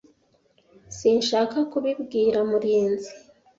Sinshaka kubibwira Murinzi.